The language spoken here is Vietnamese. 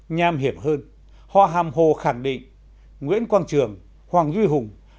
nham hiểm hơn họ hàm hồ khẳng định nguyễn quang trường hoàng duy hùng